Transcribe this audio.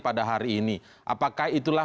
pada hari ini apakah itulah